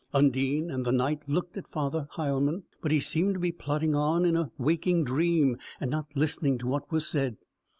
Undine and the Knight looked at Father Heilmann, but he seemed to be plodding on in a waking dream, and not listening to what was said.